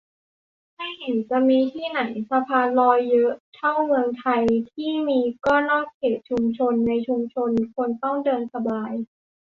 ไม่เห็นจะมีที่ไหนสะพานลอยเยอะเท่าเมืองไทย ที่มีก็นอกเขตชุมชน ในชุมชนคนต้องเดินสบาย